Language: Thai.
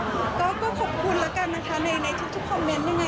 ก็ขอบคุณแล้วกันนะคะในทุกคอมเมนต์ยังไง